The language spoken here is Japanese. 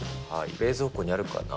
冷蔵庫にあるかな。